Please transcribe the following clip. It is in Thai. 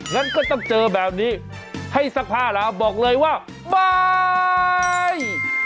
งั้นก็ต้องเจอแบบนี้ให้ซักผ้าแล้วบอกเลยว่าบาย